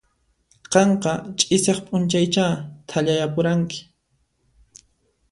Qanqa ch'isiaq p'unchaychá thallayapuranki.